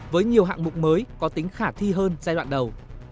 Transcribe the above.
với nhiều hạng mục mới có tính khả thi hơn giai đoạn đầu